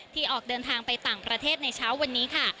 ออกเดินทางไปต่างประเทศในเช้าวันนี้ค่ะ